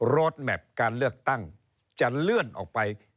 รถแมพการเลือกตั้งจะเลื่อนออกไป